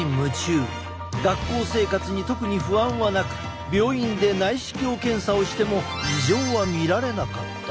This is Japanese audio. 学校生活に特に不安はなく病院で内視鏡検査をしても異常は見られなかった。